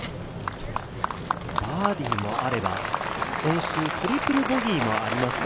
バーディーもあれば、今週、トリプルボギーもありました。